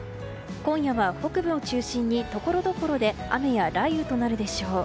今夜は北部を中心にところどころで雨や雷雨となるでしょう。